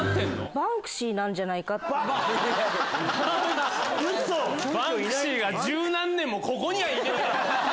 ⁉バンクシーが１０何年もここにはいねえよ！